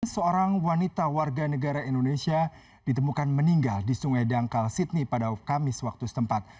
seorang wanita warga negara indonesia ditemukan meninggal di sungai dangkal sydney pada kamis waktu setempat